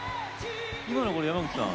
今のこれ山口さん。